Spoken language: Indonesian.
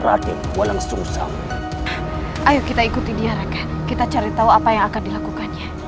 raden walang susam ayo kita ikuti dia raka kita cari tahu apa yang akan dilakukan ya